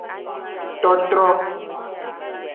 Totro.